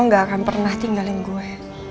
gak akan pernah tinggalin gue